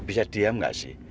bisa diam gak sih